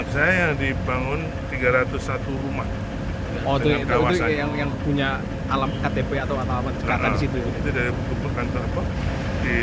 sebenarnya dua belas atau sembilan bisa pakai apa kalau dibina ini